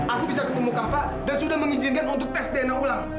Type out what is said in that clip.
aku bisa ketemu kakak dan sudah mengizinkan untuk tes dna ulang